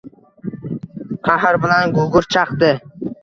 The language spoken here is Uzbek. Qahr bilan gugurt chaqdi.